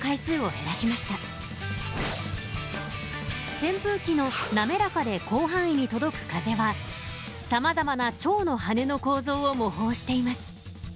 扇風機の滑らかで広範囲に届く風はさまざまなチョウの羽の構造を模倣しています。